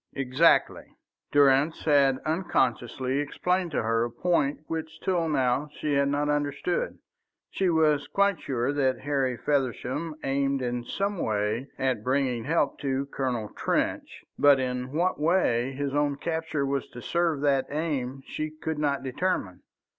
"Exactly." Durrance had unconsciously explained to her a point which till now she had not understood. She was quite sure that Harry Feversham aimed in some way at bringing help to Colonel Trench, but in what way his own capture was to serve that aim she could not determine.